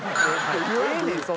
ええねん